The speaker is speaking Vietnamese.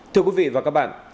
thưa quý vị và các bạn